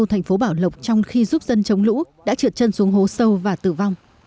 thành phố bảo lộc trong khi giúp dân chống lũ đã trượt chân xuống hố sâu và tử vong